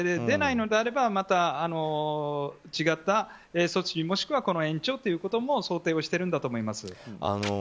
出ないのであればまた違った措置もしくは延長ということも想定しているんだと思います。